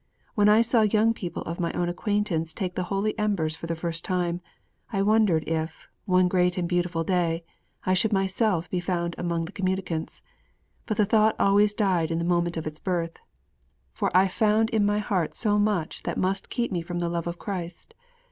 When I saw young people of my own acquaintance take the holy emblems for the first time, I wondered if, one great and beautiful day, I should myself be found among the communicants. But the thought always died in the moment of its birth. For I found in my heart so much that must keep me from the love of Christ.